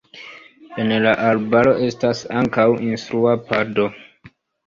En la arbaro estas ankaŭ instrua pado.